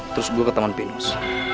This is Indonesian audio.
terus gue ke taman pinus